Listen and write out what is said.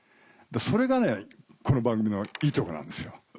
それがこの番組のいいところなんですよ。